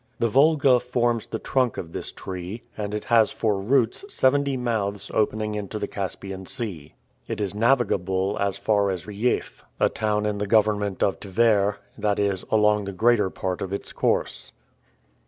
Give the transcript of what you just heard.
The Volga forms the trunk of this tree, and it has for roots seventy mouths opening into the Caspian Sea. It is navigable as far as Rjef, a town in the government of Tver, that is, along the greater part of its course.